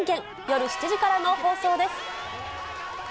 夜７時からの放送です。